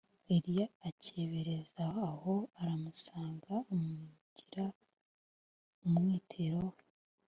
Eliya akebereza aho aramusanga, amunagira umwitero we